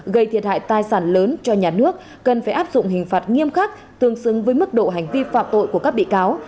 gây thiệt hại tài sản lớn cho nhà nước cần phải áp dụng hình phạt nghiêm khắc tương xứng với mức độ hành vi phạm tội của các bị cáo